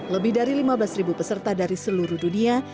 lebih dari lima belas peserta dari seluruh dunia